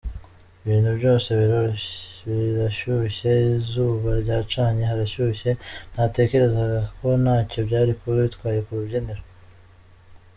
Ibintu byose birashyushye, izuba ryacanye, harashyushye, natekerezaga ko ntacyo byari kuba bitwaye ku rubyiniro.